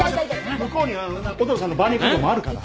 向こうに音野さんのバーニャカウダもあるから。